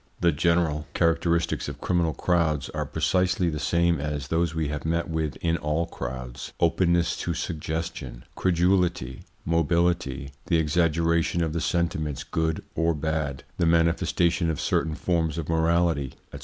The general characteristics of criminal crowds are precisely the same as those we have met with in all crowds: openness to suggestion, credulity, mobility, the exaggeration of the sentiments good or bad, the manifestation of certain forms of morality, &c.